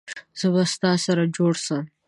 زه به ستا سره جوړ سم